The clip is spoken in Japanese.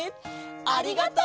ありがとう！